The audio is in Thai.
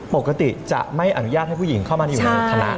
ปกติจะไม่อนุญาตให้ผู้หญิงเข้ามาอยู่ในคณะ